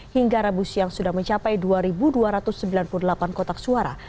hingga rabu siang sudah mencapai dua dua ratus sembilan puluh delapan kotak suara